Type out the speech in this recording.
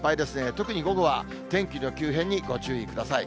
特に午後は天気の急変にご注意ください。